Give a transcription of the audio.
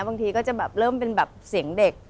บางทีก็จะแบบเริ่มเป็นแบบเสียงเด็ก